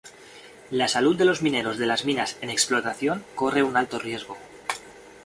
La salud de los mineros de las minas en explotación corre un alto riesgo.